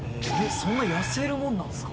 そんなに痩せるものなんですか？